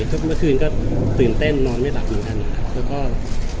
เมื่อคืนก็ตื่นเต้นนอนไม่หลับเหมือนกัน